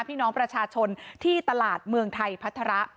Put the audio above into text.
พี่น้องประชาชนที่ตลาดเมืองไทยพัฒระ